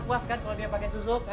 puas kan kalau dia pakai susu